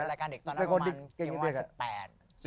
เป็นรายการเด็กตอนนั้นประมาณเกรงวาด๑๘